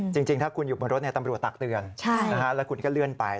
จริงถ้าคุณอยู่บนรถตำรวจตักเตือนแล้วคุณก็เลื่อนไป